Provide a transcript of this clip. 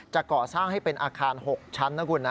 จะก่อสร้างให้เป็นอาคาร๖ชั้นนะคุณนะ